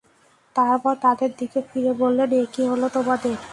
তারপর তাদের দিকে ফিরে বললেন, এ কী হল তোমাদের!